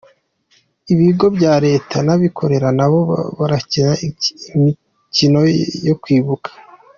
Ibigo bya Leta n’abikorera nabo barakina imikino yo kwibuka.